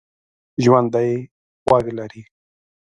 ژوندي غوږ لري